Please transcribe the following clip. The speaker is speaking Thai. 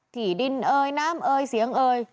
ที่ดินเอยน้ำเอยเสียงเอ่ย